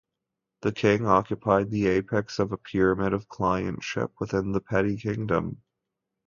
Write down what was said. The king occupied the apex of a pyramid of clientship within the petty kingdom.